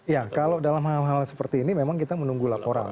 ya kalau dalam hal hal seperti ini memang kita menunggu laporan